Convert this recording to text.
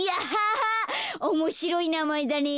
おもしろいなまえだね。